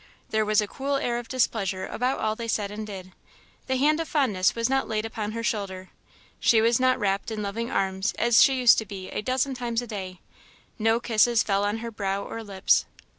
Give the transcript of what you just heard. There was a cool air of displeasure about all they said and did; the hand of fondness was not laid upon her shoulder, she was not wrapped in loving arms, as she used to be a dozen times a day: no kisses fell on her brow or lips.